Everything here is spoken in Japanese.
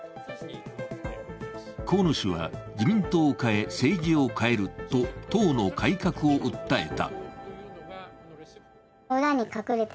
河野氏は「自民党を変え、政治を変える」と党の改革を訴えた。